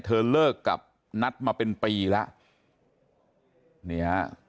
เธอเลิกกับนัทมาเป็นปีแล้วนี่ฮะ